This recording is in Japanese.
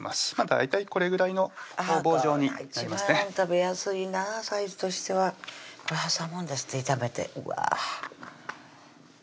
大体これぐらいの棒状にしますね一番食べやすいなサイズとしてはこれ挟むんですって炒めてうわ